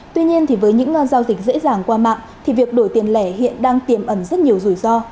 tuy nhiên thì với những giao dịch dễ dàng qua mạng thì việc đổi tiền lẻ hiện đang tiềm ẩn rất nhiều rủi ro